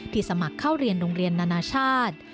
สมัครเข้าเรียนโรงเรียนนานาชาติ